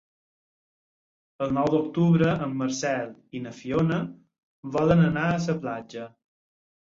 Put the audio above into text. El nou d'octubre en Marcel i na Fiona volen anar a la platja.